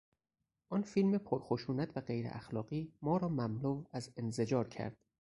آن فیلم پرخشونت و غیراخلاقی ما را مملو از انزجار کرد.